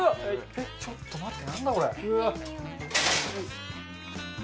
えっちょっと待って。